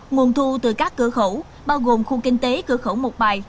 nguồn thu từ các cửa khẩu bao gồm khu kinh tế cửa khẩu một bài